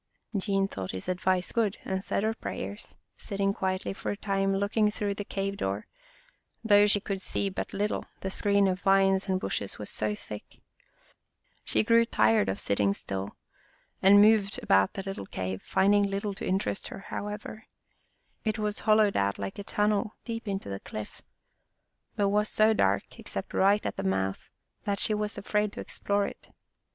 Jean thought his advice good and said her prayers, sitting quietly for a time, looking through the cave door, though she could see but little, the screen of vines and bushes was so thick. She grew tired of sitting still, and moved 98 Our Little Australian Cousin about the little cave, finding little to interest her, however. It was hollowed out like a tunnel deep into the cliff, but was so dark, except right at the mouth, that she was afraid to explore it.